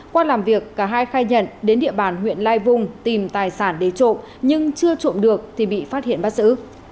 qua làm việc cả hai khai nhận đến địa bàn huyện lai vung tìm tài sản để trộm nhưng chưa trộm được thì bị phát hiện bắt giữ